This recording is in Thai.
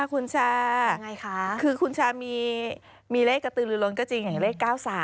คุณชาคือคุณชามีเลขกระตือลือล้นก็จริงอย่างเลข๙๓